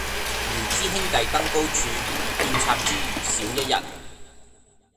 遙知兄弟登高處，遍插茱萸少一人。